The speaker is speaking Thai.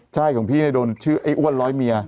ใช่ของพี่เนี่ยโดนชื่อไอ้อ้วนร้อยเมีย